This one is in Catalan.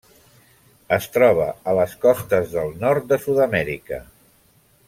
Es troba a les costes del nord de Sud-amèrica.